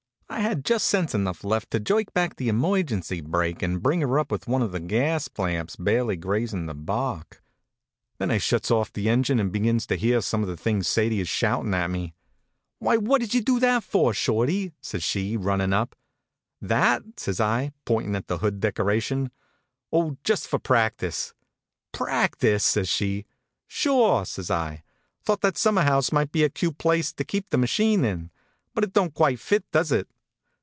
I had just sense enough left to jerk back the emergency brake and bring her up with one of the gas lamps barely grazin the bark. Then I shuts off the engine and begins to hear some of the things Sadie is shoutin at me. HONK, HONK! * Why, what did you do that for, Shorty? " says she, runnin up. "That?" says I, pointin at the hood decoration. " Oh, just for practice." " Practice! " says she. * Sure ! says I. Thought that summer house might be a cute place to keep the machine in; but it don t quite fit, does it?